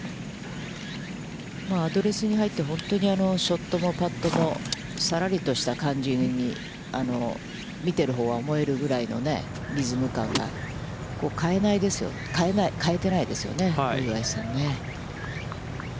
アドレスに入って、ショットもパットもさらりとした感じに、見てるほうは思えるぐらいの、リズム感が、変えてないですよね、小祝さんね。